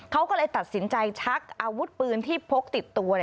เขาก็เลยตัดสินใจชักอาวุธปืนที่พกติดตัว